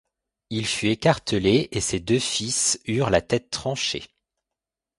Il fut écartelé, et ses deux fils eurent la tête tranchée.